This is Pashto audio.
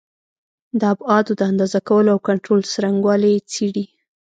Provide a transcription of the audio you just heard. د ابعادو د اندازه کولو او کنټرول څرنګوالي څېړي.